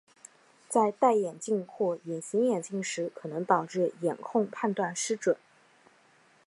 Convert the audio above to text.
在戴眼镜或隐形眼镜时可能导致眼控判断失准。